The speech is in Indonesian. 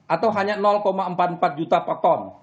atau hanya empat puluh empat juta per ton